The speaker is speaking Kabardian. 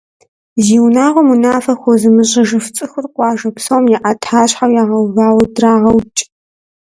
Зи унагъуэм унафэ хуэзымыщӏыжыф цӏыхур къуажэ псом я ӏэтащхьэу ягъэувауэ драгъэукӏ!